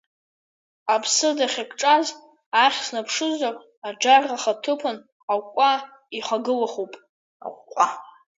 Аԥсы дахьыкҿаз ахь снаԥшызар, аџьар ахаҭыԥан аҟәҟәа ихагылахуп.